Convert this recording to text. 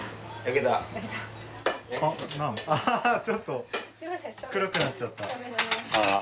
ちょっと黒くなっちゃった。